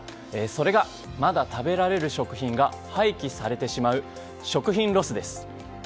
それが、まだ食べられる食品が廃棄されてしまう食品ロスです。